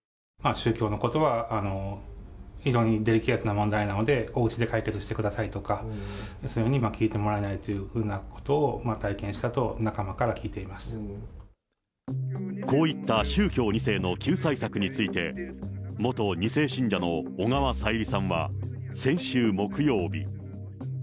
宗教のことは、非常にデリケートな問題なので、おうちで解決してくださいとか、そういうふうに聞いてもらえないということを体験したと、仲間かこういった宗教２世の救済策について、元２世信者の小川さゆりさんは、先週木曜日。